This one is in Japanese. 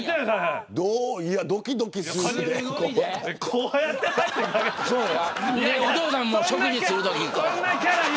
ドキドキするね。